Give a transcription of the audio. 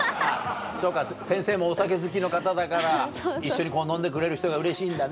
そうか先生もお酒好きの方だから一緒に飲んでくれる人がうれしいんだね。